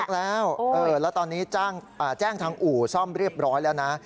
แล้วตอนนี้แจ้งทางอู่ซ่อมเรียบร้อยแล้วนะ